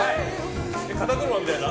肩車みたいな？